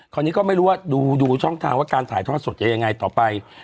คราวนี้ก็ไม่รู้ว่าดูช่องทางว่าการถ่ายทอดสดจะยังไงต่อไป